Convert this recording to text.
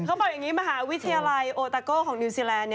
เขาบอกอย่างนี้มหาวิทยาลัยโอตาโก้ของนิวซีแลนด์